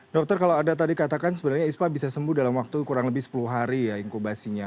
dokter kalau anda tadi katakan sebenarnya ispa bisa sembuh dalam waktu kurang lebih sepuluh hari ya inkubasinya